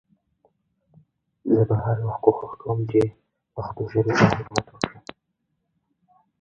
The elements of Minhwa(Korean folk paintings) are distinctive in his paintings.